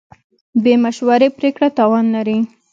بې مشورې پرېکړه تاوان لري.